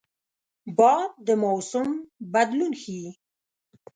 باد د موسم بدلون ښيي